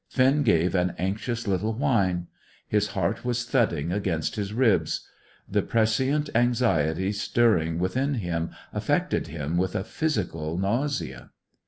Finn gave an anxious little whine. His heart was thudding against his ribs; the prescient anxiety stirring within him affected him with a physical nausea.